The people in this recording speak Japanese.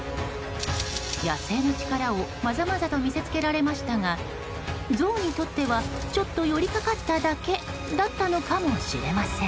野生の力をまざまざと見せつけられましたがゾウにとっては、ちょっと寄りかかっただけだったのかもしれません。